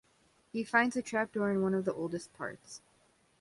He finds a trapdoor in one of the oldest parts.